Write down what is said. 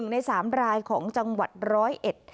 ๑ใน๓รายของจังหวัด๑๐๑